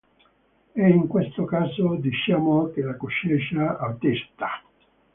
E in questo caso diciamo che la coscienza attesta.